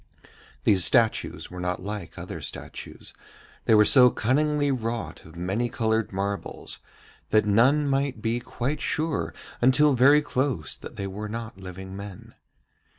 These statues were not like other statues, they were so cunningly wrought of many coloured marbles that none might be quite sure until very close that they were not living men.